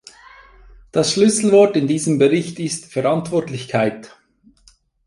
Das Schlüsselwort in diesem Bericht ist "Verantwortlichkeit".